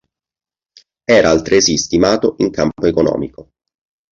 Era altresì stimato in campo economico.